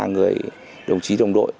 ba người đồng chí đồng đội